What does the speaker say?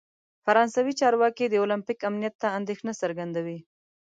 فرانسوي چارواکي د اولمپیک امنیت ته اندیښنه څرګندوي.